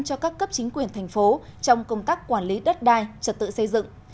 cho các cấp chính quyền thành phố trong công tác quản lý đất đai trật tự xây dựng